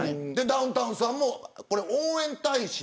ダウンタウンさんも応援大使